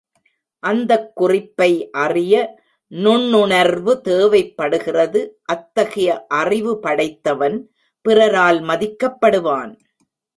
அந்தக் குறிப்பை அறிய நுண்ணுணர்வு தேவைப் படுகிறது அத்தகைய அறிவு படைத்தவன் பிறரால் மதிக்கப்படுவான்.